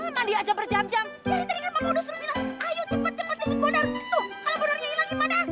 makanya jadi orang orang aja berjam jam